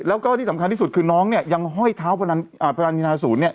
แล้วก็ที่สำคัญที่สุดคือน้องเนี่ยยังห้อยเท้าพรณศูนย์เนี่ย